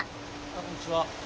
こんにちは。